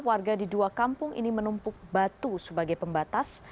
warga di dua kampung ini menumpuk batu sebagai pembatas